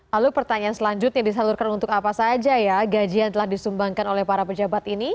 lalu pertanyaan selanjutnya disalurkan untuk apa saja ya gaji yang telah disumbangkan oleh para pejabat ini